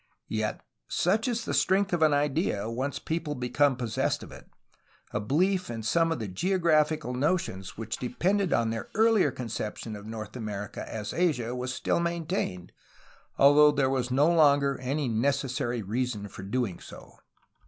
Yet, — such is the strength of an idea, once people become possessed of it, — a belief in some of the geographical notions which depended on their earlier conception of North America as Asia was still maintained, although there was no longer any necessary reason for doing so.